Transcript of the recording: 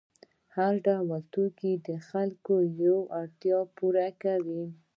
هر ډول توکي د خلکو یوه اړتیا پوره کوي.